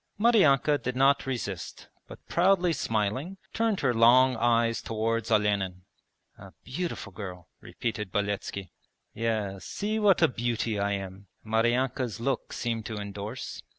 Maryanka did not resist but proudly smiling turned her long eyes towards Olenin. 'A beautiful girl,' repeated Beletski. 'Yes, see what a beauty I am,' Maryanka's look seemed to endorse.